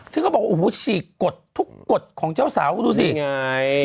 ซึ่งก็บอกอือหู้ฉีกกดทุกกดของเจ้าสาวดูซินี่ไง